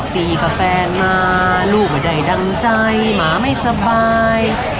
ตีกับแฟนมาลูกไม่ได้ดังใจหมาไม่สบาย